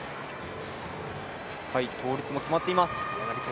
倒立も決まっています。